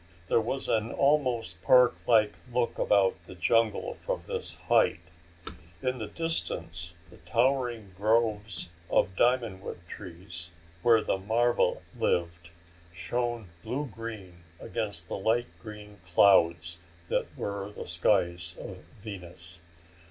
There was an almost park like look about the jungle from this height. In the distance the towering groves of diamond wood trees, where the marva lived, shone blue green against the light green clouds that were the skies of Venus.